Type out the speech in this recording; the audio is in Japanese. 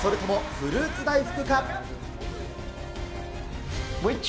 フルーツ大福！